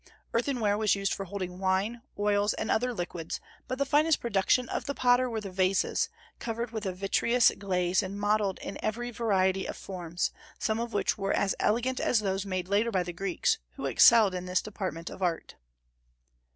Earthenware was used for holding wine, oils, and other liquids; but the finest production of the potter were the vases, covered with a vitreous glaze and modelled in every variety of forms, some of which were as elegant as those made later by the Greeks, who excelled in this department of art.